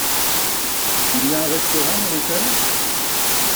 Il y a un restaurant dans l’hôtel ?